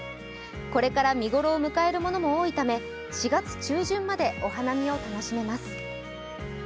これから見ごろを迎えるものも多いため４月中旬までお花見を楽しめます。